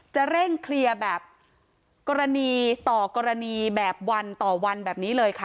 จะเร่งเคลียร์แบบกรณีต่อกรณีแบบวันต่อวันแบบนี้เลยค่ะ